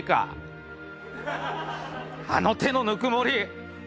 あの手のぬくもり。